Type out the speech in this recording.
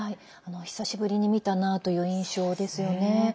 久しぶりに見たなという印象ですよね。